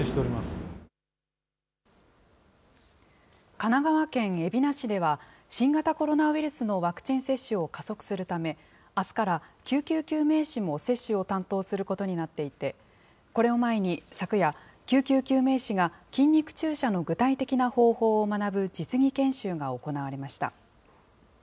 神奈川県海老名市では、新型コロナウイルスのワクチン接種を加速するため、あすから、救急救命士も接種を担当することになっていて、これを前に、昨夜、救急救命士が筋肉注射の具体的な方法を学ぶ実技研修が行われました。